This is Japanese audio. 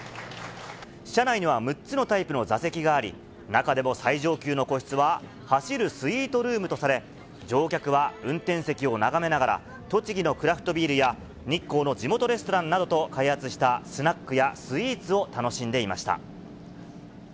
車内には６つのタイプの座席があり、中でも最上級の個室は走るスイートルームとされ、乗客は運転席を眺めながら、栃木のクラフトビールや日光の地元レストランなどと開発したスナックや、スイーツを楽しんでいました。